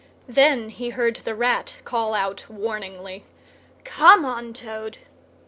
Then he heard the Rat call out warningly, "Come on, Toad!"